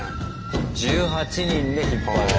１８人で引っ張るんだ。